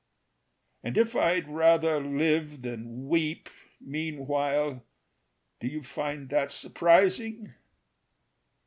And if I'd rather live than weep Meanwhile, do you find that surprising?